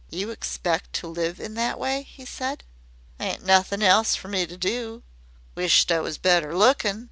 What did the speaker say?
"You expect to live in that way?" he said. "Ain't nothin' else fer me to do. Wisht I was better lookin'.